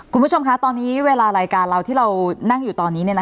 คุณผู้ชมคะตอนนี้เวลารายการเราที่เรานั่งอยู่ตอนนี้